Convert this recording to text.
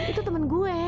itu teman gue